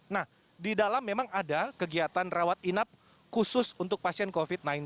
nah di dalam memang ada kegiatan rawat inap khusus untuk pasien covid sembilan belas